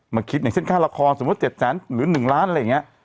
มาคิดเรื่องค่าระครสมมุติ๗๐๐๐๐๐๑ล้านอะไรแบบนี้